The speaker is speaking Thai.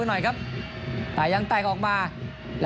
ส่วนที่สุดท้ายส่วนที่สุดท้าย